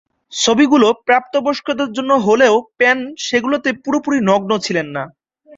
ছবিগুলো প্রাপ্তবয়স্কদের জন্য হলেও পেন সেগুলোতে পুরোপুরি নগ্ন ছিলেন না।